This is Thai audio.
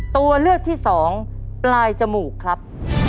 ตัวเลือกที่สองปลายจมูกครับ